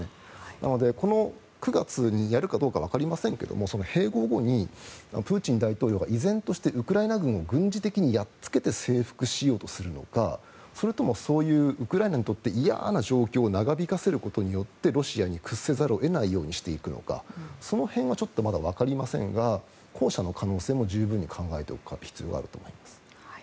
なので、この９月にやるかどうかわかりませんが併合後にプーチン大統領が依然としてウクライナ軍を軍事的にやっつけて征服しようとするのかそれともそういうウクライナにとって嫌な状況を長引かせることによってロシアに屈せざるを得ないようにしていくのかその辺はまだちょっとわかりませんが後者の可能性も十分に考えておく必要があるかと思います。